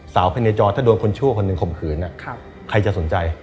สาวไปในจอดถ้าโดนคนชั่วคนนึงขมขือใครจะสนใจ